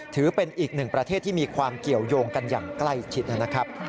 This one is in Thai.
ถือเป็นอีกหนึ่งประเทศที่มีความเกี่ยวยงกันอย่างใกล้ชิดนะครับ